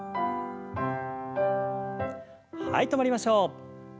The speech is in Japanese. はい止まりましょう。